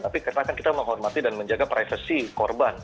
tapi karena kan kita menghormati dan menjaga privasi korban